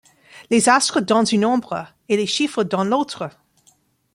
Les astres dans une ombre et les chiffres dans l’autre !